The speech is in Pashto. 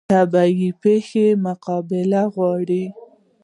طبیعي پیښې مقابله غواړي